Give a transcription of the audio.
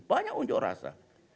banyak unjuk rasa